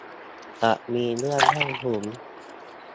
จะมีเรื่องให้ลุ้น